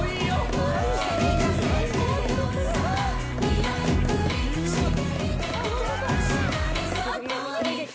よし！